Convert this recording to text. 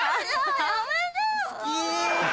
やめてよ！